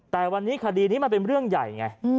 แต่วันนี้คดีนี้มันเป็นเรื่องใหญ่ไง